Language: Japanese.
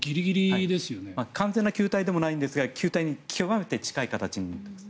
完全な球体でもないですが球体に極めて近い形になっています。